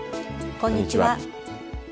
こんにちは。